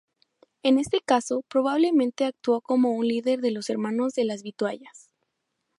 En este caso, probablemente actuó como un líder de los Hermanos de las vituallas.